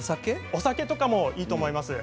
お酒でもいいと思います。